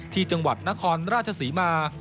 ที่จังหวัดนครราชศรีมา